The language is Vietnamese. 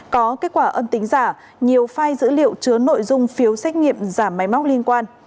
có kết quả âm tính giả nhiều file dữ liệu chứa nội dung phiếu xét nghiệm giả máy móc liên quan